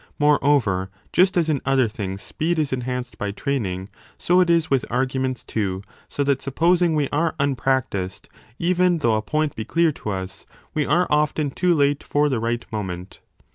More over, just as in other things speed 3 is enhanced by training, so it is with arguments too, so that supposing we are un 25 practised, even though a point be clear to us, we are often too late for the right moment.